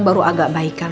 baru agak baikan